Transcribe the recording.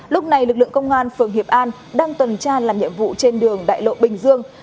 lúc này lực lượng công an phường hiệp an đang tuần tra làm nhiệm vụ trên đường đại lộ bình dương